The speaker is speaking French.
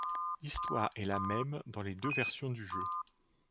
L'histoire est la même dans les deux versions du jeu.